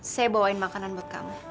saya bawain makanan buat kami